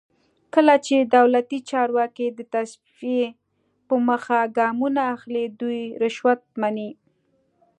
کله چې دولتي چارواکي د تصفیې په موخه ګامونه اخلي دوی رشوت مني.